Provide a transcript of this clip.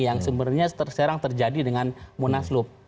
yang sebenarnya terserang terjadi dengan munaslup